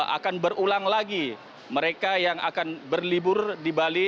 akan berulang lagi mereka yang akan berlibur di bali